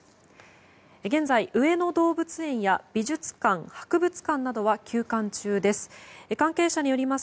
現在、上野動物園や美術館、博物館などは休館中です。